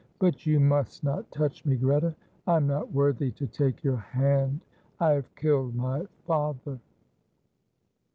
"But you must not touch me, Greta. I am not worthy to take your hand. I have killed my father!"